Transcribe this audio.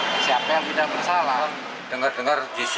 bersianida ini maksud unik dan buat penasaran untuk kita